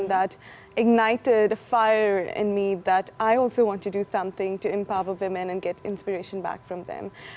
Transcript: dan itu membuat saya terbuka saya juga ingin melakukan sesuatu untuk memuaskan perempuan dan mendapatkan inspirasi dari mereka